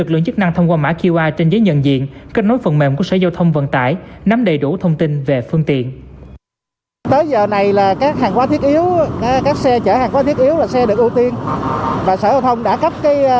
có thể nhận diện do sở giao thông vận tải thành phố cấp